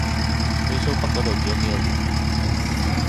去蘇北嗰度住幾個月